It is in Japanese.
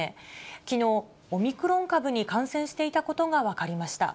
きのう、オミクロン株に感染していたことが分かりました。